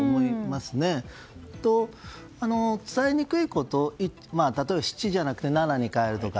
それと、伝えにくいことを例えば、「しち」じゃなくて「なな」に変えるとか。